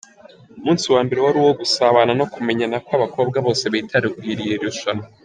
Umunsi wa mbere wari uwo gusabana no kumenyana kw'abakobwa bose bitabiriye iri rushanwa.